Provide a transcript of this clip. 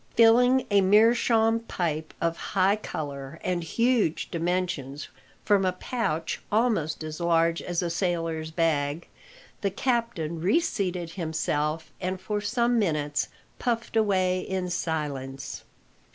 Filling a meerschaum pipe of high colour and huge dimensions from a pouch almost as large as a sailor's bag, the captain reseated himself, and for some minutes puffed away in silence.